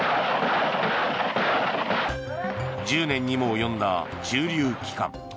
１０年にも及んだ駐留期間。